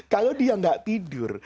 kalau dia nggak tidur